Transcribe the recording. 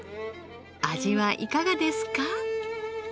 味はいかがですか？